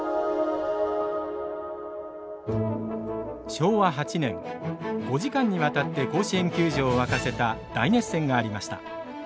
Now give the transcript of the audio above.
昭和８年、５時間にわたって甲子園球場を沸かせた大熱戦がありました。